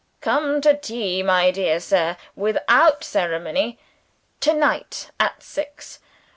"Come to tea, my dear sir. Without ceremony. To night at six.